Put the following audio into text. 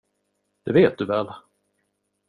Det vet du väl?